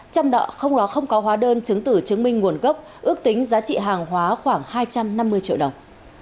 trong đó không có hóa đơn chứng tử chứng minh nguồn gốc ước tính giá trị hàng hóa khoảng hai trăm năm mươi triệu đồng